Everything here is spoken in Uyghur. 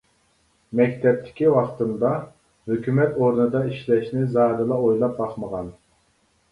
مەكتەپتىكى ۋاقتىمدا ھۆكۈمەت ئورنىدا ئىشلەشنى زادىلا ئويلاپ باقمىغان.